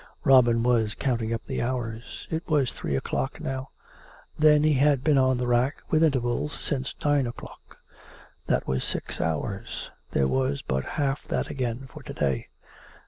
Robin was counting up the hours. It was three o'clock now. Then he had been on the rack, with intervals, since nine o'clock. That was six hours. There was but half that again for to day.